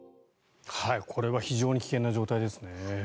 これは非常に危険な状態ですね。